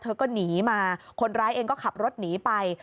เธอก็หนีมาคนร้ายเองก็ขับรถหนีไป